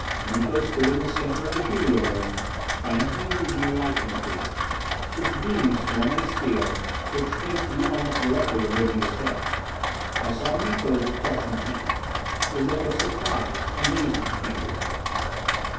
Miko stood in the center of the helio room, triumphantly reading the light indicator. Its beam swung on the scale, which chanced to be almost directly over Anita's head. I saw Miko's expression change. A look of surprise, amazement came to him.